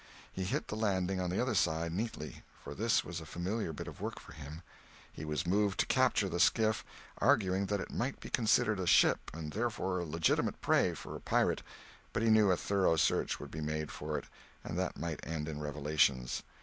He hit the landing on the other side neatly, for this was a familiar bit of work to him. He was moved to capture the skiff, arguing that it might be considered a ship and therefore legitimate prey for a pirate, but he knew a thorough search would be made for it and that might end in revelations.